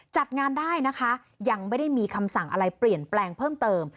จัดงานได้นะคะยังไม่ได้มีคำสั่งอะไรเปลี่ยนแปลงเพิ่มเติม